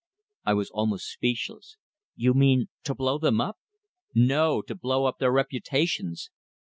I was almost speechless. "You mean to blow them up?" "No, to blow up their reputations.